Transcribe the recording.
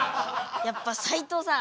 やっぱ斉藤さん